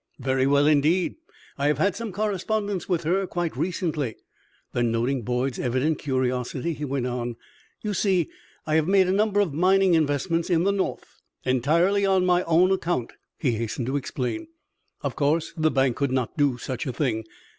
"Very well, indeed. I have had some correspondence with her quite recently." Then, noting Boyd's evident curiosity, he went on: "You see, I have made a number of mining investments in the North entirely on my own account," he hastened to explain. "Of course, the bank could not do such a thing.